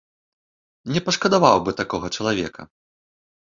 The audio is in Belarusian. Не пашкадаваў бы такога чалавека.